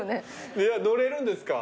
乗れるんですか？